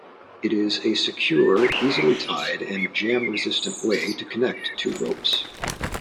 It is a secure, easily tied, and jam-resistant way to connect two ropes.